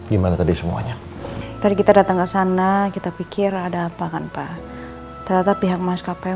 gimana tadi semuanya tadi kita datang ke sana kita pikir ada apa kan pak ternyata pihak maskapai